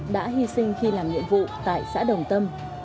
đã hy sinh khi làm nhiệm vụ tại xã đồng tâm